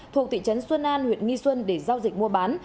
thuộc thị trấn xuân an huyện nghi xuân để giao dịch mua bán